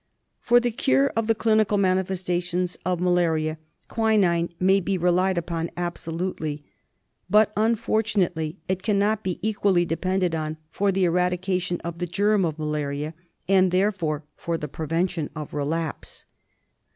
For the cure of the clinical manifestations of malaria quinine may be relied upon absolutely ; but, unfortunately, it cannot be equally depended on for the eradication of the germ of malaria, and therefore for the prevention of relapse.